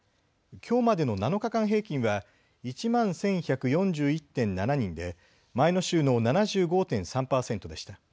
きょうまでの７日間平均は１万１１４１．７人で前の週の７５．３％でした。